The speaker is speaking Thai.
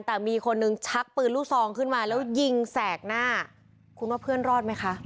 แต่มีคนหนึ่งชักปืนลูกซองขึ้นมาแล้วยิงแสกหน้าคุณว่าเพื่อนรอดไหมคะ